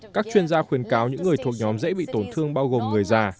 các chuyên gia khuyến cáo những người thuộc nhóm dễ bị tổn thương bao gồm người già